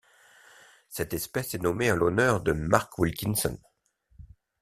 Cette espèce est nommée en l'honneur de Mark Wilkinson.